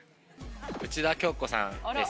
内田恭子さんです。